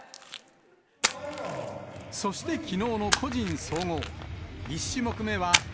そして、きのうの個人総合。